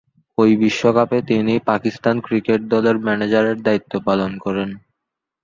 ঐ বিশ্বকাপে তিনি পাকিস্তান ক্রিকেট দলের ম্যানেজারের দায়িত্ব পালন করেন।